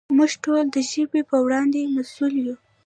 موږ ټول د ژبې په وړاندې مسؤل یو.